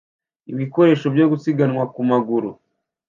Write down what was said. Ibikoresho byo gusiganwa ku maguru